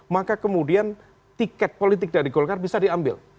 maka kemudian tiket politik dari golkar bisa diambil